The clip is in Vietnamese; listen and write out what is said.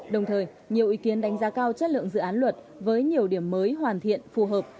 đồng thời nhiều ý kiến đánh giá cao chất lượng dự án luật với nhiều điểm mới hoàn thiện phù hợp